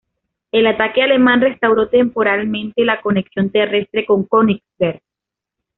El ataque alemán restauró temporalmente la conexión terrestre con Königsberg.